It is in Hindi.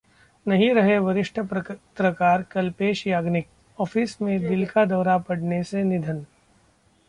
नहीं रहे वरिष्ठ पत्रकार कल्पेश याग्निक, ऑफिस में दिल का दौरा पड़ने से निधन